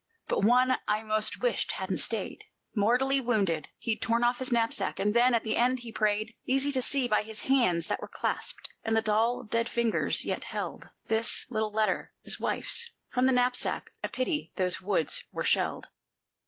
But one I 'most wished hadn't stayed. Mortally wounded, he'd torn off his knapsack; and then, at the end, he prayed Easy to see, by his hands that were clasped; and the dull, dead fingers yet held This little letter his wife's from the knapsack. A pity those woods were shelled!"